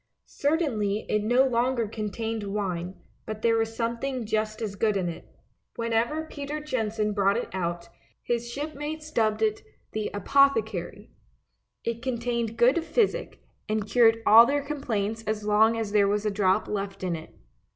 Certainly it no longer contained wine, but there was some thing just as good in it. Whenever Peter Jensen brought it THE BOTTLE NECK 87 out, his shipmates dubbed it, " the apothecary." It contained good physic, and cured all their complaints as long as there was a drop left in it.